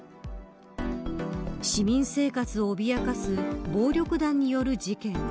市民生活を脅かす暴力団による事件。